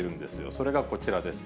それがこちらです。